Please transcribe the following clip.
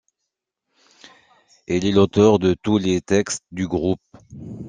Il est l'auteur de tous les textes du groupe.